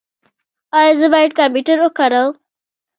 ایا زه باید کمپیوټر وکاروم؟